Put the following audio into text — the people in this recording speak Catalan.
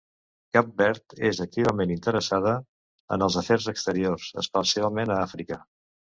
Cap Verd és activament interessada en els afers exteriors, especialment a Àfrica.